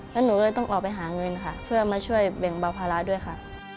แล้วหนูเลยต้องออกไปหาเงินค่ะเพื่อมาช่วยแบ่งเบาภาระด้วยค่ะ